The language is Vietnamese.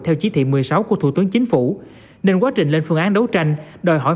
theo chỉ thị một mươi sáu của thủ tướng chính phủ nên quá trình lên phương án đấu tranh đòi hỏi